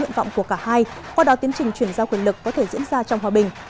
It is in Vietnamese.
nguyện vọng của cả hai qua đó tiến trình chuyển giao quyền lực có thể diễn ra trong hòa bình